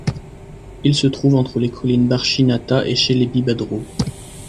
Il se trouve entre les collines Barchinata et Chelebi badro.